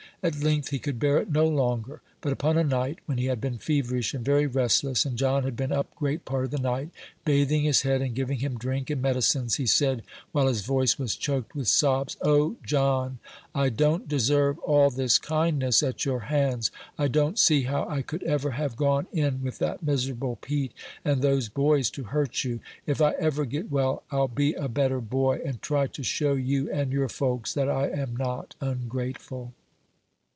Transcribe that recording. At length he could bear it no longer; but upon a night when he had been feverish and very restless, and John had been up great part of the night, bathing his head, and giving him drink and medicines, he said, while his voice was choked with sobs, "O, John, I don't deserve all this kindness at your hands; I don't see how I could ever have gone in with that miserable Pete, and those boys, to hurt you. If I ever get well, I'll be a better boy, and try to show you and your folks that I am not ungrateful."